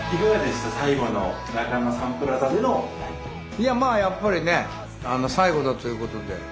いやまあやっぱりね最後だということで。